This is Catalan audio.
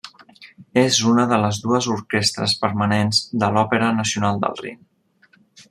És una de les dues orquestres permanents de l'Òpera nacional del Rin.